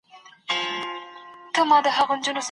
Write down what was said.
سرمایه باید د ټولني د پرمختګ لپاره وي.